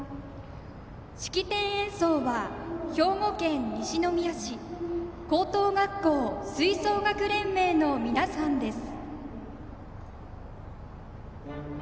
式典演奏は兵庫県西宮市高等学校吹奏楽連盟の皆さんです。